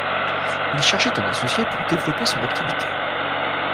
Il cherchait un associé pour développer son activité.